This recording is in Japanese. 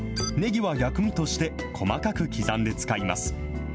ねぎは薬味として細かく刻んで使います。